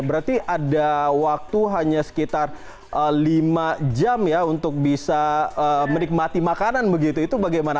berarti ada waktu hanya sekitar lima jam ya untuk bisa menikmati makanan begitu itu bagaimana